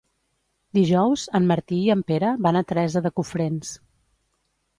Dijous en Martí i en Pere van a Teresa de Cofrents.